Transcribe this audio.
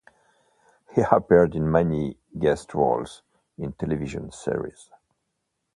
He appeared in many guest roles in television series.